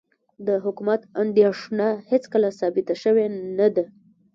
د حکومت اندېښنه هېڅکله ثابته شوې نه ده.